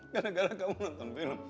gara gara kamu nonton film